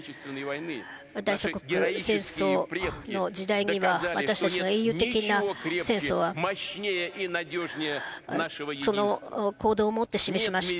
大祖国戦争の時代には、私たちの英雄的な戦争は、その行動をもって示しました。